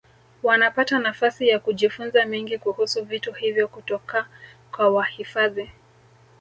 Wanapata nafasi ya kujifunza mengi kuhusu vitu hivyo kutoka kwa wahifadhi